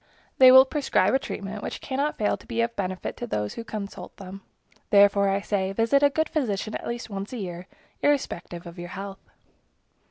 They will prescribe a treatment, which cannot fail to be of benefit to those who consult them. Therefore, I say, visit a good physician at least once a year, irrespective of your health.